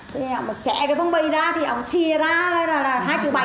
thì ông xẻ cái phong bì ra thì ông xì ra là hai triệu bảy tấn